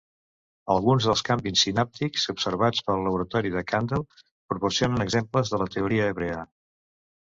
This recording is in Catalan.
Alguns dels canvis sinàptics observats pel laboratori de Kandel proporcionen exemples de la teoria hebrea.